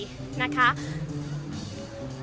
พิธีการสวดมนต์ข้ามปีนะคะ